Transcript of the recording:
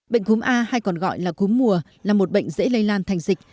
bệnh cung a hay còn gọi là cung mùa là một bệnh dễ lây lan thành dịch